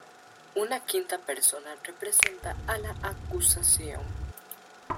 Una quinta persona representa a la acusación.